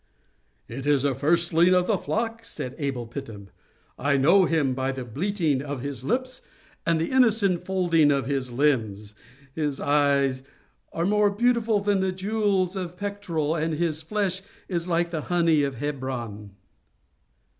"It is a firstling of the flock," said Abel Phittim, "I know him by the bleating of his lips, and the innocent folding of his limbs. His eyes are more beautiful than the jewels of the Pectoral, and his flesh is like the honey of Hebron."